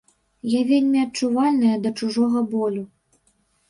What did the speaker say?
Я вельмі адчувальная да чужога болю.